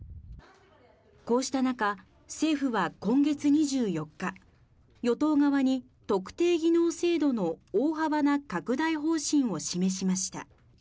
こうした中、政府は今月２４日、与党側に特定技能制度の大幅な拡大方針を示しました。